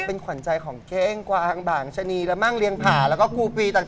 เป็นขวัญใจของเก้งกวางบางชะนีและมั่งเลี้ยผ่าแล้วก็ครูปีต่าง